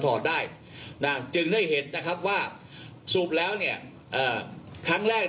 ถอดได้นะจึงให้เห็นนะครับว่าสรุปแล้วเนี่ยเอ่อครั้งแรก